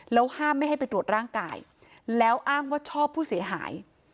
แล้วห้ามไม่ให้ไปตรวจร่างกายแล้วอ้างว่าชอบผู้เสียหาย